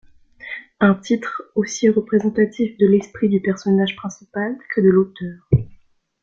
Un titre aussi représentatif de l'esprit du personnage principal que de l'auteur...